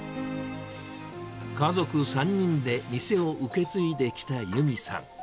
家族３人で店を受け継いできた由美さん。